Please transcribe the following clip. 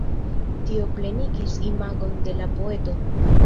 Tio plenigis imagon de la poeto.